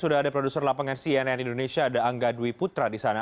sudah ada produser lapangan cnn indonesia ada angga dwi putra di sana